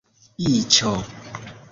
iĉo